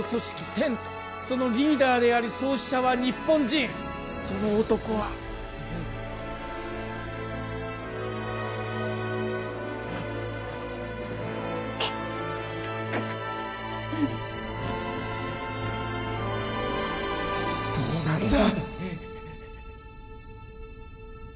テントそのリーダーであり創始者は日本人その男はくっどうなんだ？